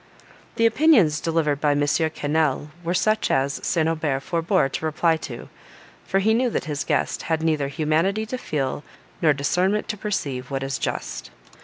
The opinions delivered by M. Quesnel, were such as St. Aubert forebore to reply to, for he knew that his guest had neither humanity to feel, nor discernment to perceive, what is just.